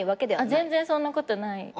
全然そんなことない。